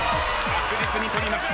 確実に取りました。